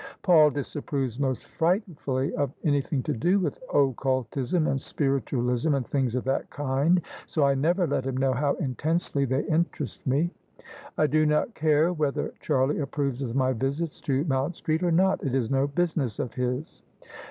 Paul disapproves most frightfully of anything to do with occultism and spiritualism and things of that kind, so I never let him know how intensely they interest me." " I do not care whether Charlie approves of my visits to Mount Street or not. It is no business of his."